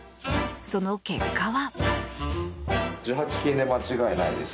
その結果は。